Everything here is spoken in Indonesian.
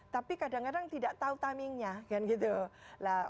tapi kadang kadang tidak tahu timingnya